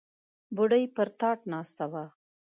بوډۍ پر تاټ ناسته وه.